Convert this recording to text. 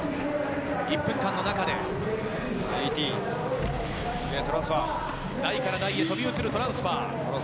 １分間の中で、台から台へ飛び移るトランスファー。